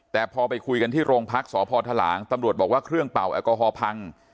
แต่พอไปคุยกันที่โรงพักษพทหลางตำรวจบอกว่าเครื่องเป่าแอลกอฮอลพัง